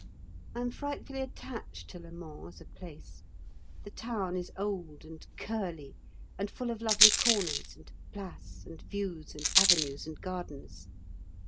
I am frightfully attached to Le Mans as a place. The town is old and curly, and full of lovely corners and "Places," and views and Avenues and Gardens.